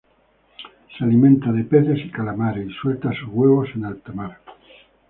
Se alimenta de peces y calamares, y suelta sus huevos en alta mar.